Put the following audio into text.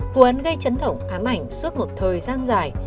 vụ án gây chấn động ám ảnh suốt một thời gian dài